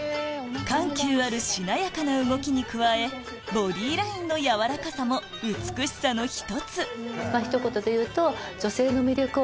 緩急あるしなやかな動きに加えボディーラインの柔らかさも美しさの１つ